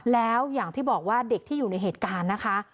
แล้วอย่างที่บอกว่าเด็กที่อยู่ในเหตุการณ์นะคะ